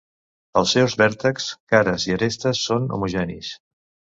Els seus vèrtexs, cares i arestes són homogenis.